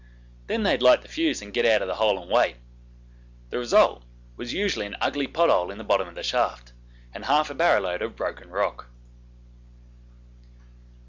Then they'd light the fuse and get out of the hole and wait. The result was usually an ugly pot hole in the bottom of the shaft and half a barrow load of broken rock.